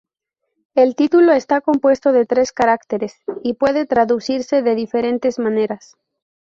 El título está compuesto de tres caracteres, y puede traducirse de diferentes maneras.